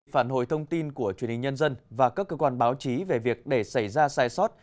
phản hồi thông tin của truyền hình nhân dân và các cơ quan báo chí về việc để xảy ra sai sót